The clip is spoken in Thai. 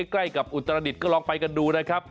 ใกล้กับอุตรดิษฐ์ก็ลองไปกันดูนะครับ